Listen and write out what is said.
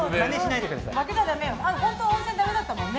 本当に温泉ダメだったもんね。